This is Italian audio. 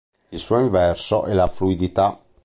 Il suo inverso è la fluidità.